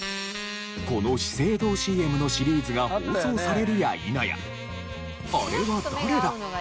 この資生堂ＣＭのシリーズが放送されるやいなや。